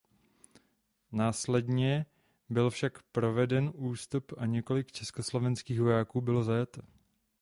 Následně byl však proveden ústup a několik československých vojáků bylo zajato.